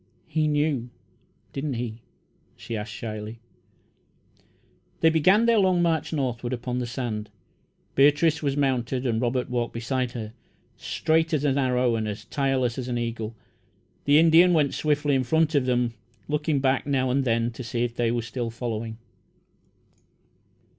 "He knew, didn't he?" she asked shyly. They began their long march northward upon the sand. Beatrice was mounted, and Robert walked beside her. Straight as an arrow and as tireless as an eagle, the Indian went swiftly in front of them, looking back, now and then, to see if they were following.